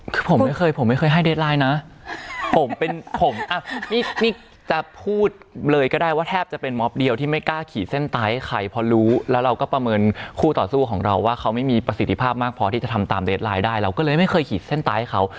คือผมไม่เคยผมไม่เคยให้เดสไลน์นะผมเป็นผมอ่ะนี่จะพูดเลยก็ได้ว่าแทบจะเป็นมอบเดียวที่ไม่กล้าขีดเส้นตายให้ใครพอรู้แล้วเราก็ประเมินคู่ต่อสู้ของเราว่าเขาไม่มีประสิทธิภาพมากพอที่จะทำตามเดสไลน์ได้เราก็เลยไม่เคยขีดเส้นตายให้เขา